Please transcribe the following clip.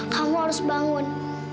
kamu harus bangun